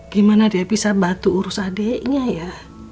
gimana dia bisa batu urus adiknya ya